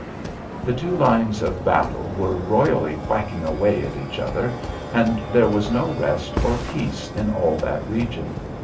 The two lines of battle were royally whacking away at each other, and there was no rest or peace in all that region.